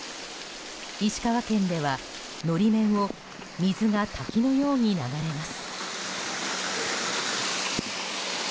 石川県では法面を水が滝のように流れます。